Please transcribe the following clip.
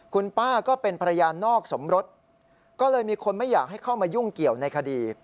คุณป้าก็เป็นภรรยานอกสมรสก็เลยมีคนไม่อยากให้เข้ามายุ่งเกี่ยวในคดี